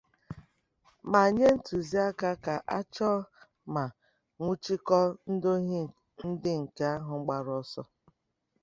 ma nye ntụziaka ka a chọọ ma nwụchikọọ ndị ohi ndị nke ahụ gbara ọsọ